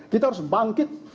kita harus bangkit